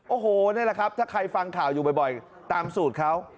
โอ้โหนี่แหละครับถ้าใครฟังข่าวอยู่บ่อยตามสูตรเขา